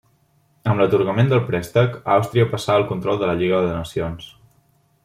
Amb l'atorgament del préstec, Àustria passà al control de la Lliga de Nacions.